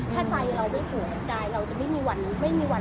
ถ้าใจเราไม่ผ่วยกันได้เราจะไม่มีวันผ่วย